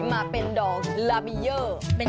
มาเป็นดอกเรเบียร์